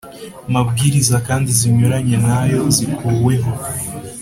Mabwiriza kandi zinyuranye nay o zikuweho